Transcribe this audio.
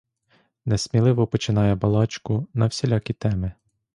Несміливо починає балачку на всілякі теми.